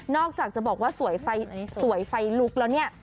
อกจากจะบอกว่าสวยไฟลุกแล้วเนี่ย